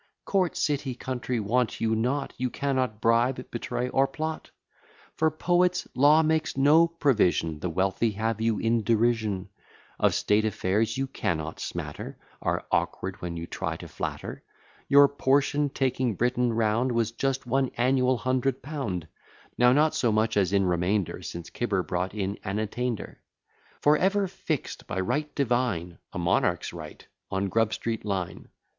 Court, city, country, want you not; You cannot bribe, betray, or plot. For poets, law makes no provision; The wealthy have you in derision: Of state affairs you cannot smatter; Are awkward when you try to flatter; Your portion, taking Britain round, Was just one annual hundred pound; Now not so much as in remainder, Since Cibber brought in an attainder; For ever fix'd by right divine (A monarch's right) on Grub Street line.